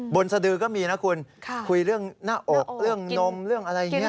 สดือก็มีนะคุณคุยเรื่องหน้าอกเรื่องนมเรื่องอะไรอย่างนี้